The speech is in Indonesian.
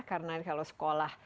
karena kalau sekolah